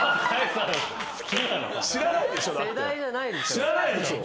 知らないでしょ？